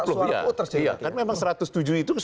suara puter sih iya kan memang satu ratus tujuh itu